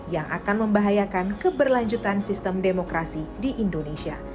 yang akan membahayakan keberlanjutan sistem demokrasi di indonesia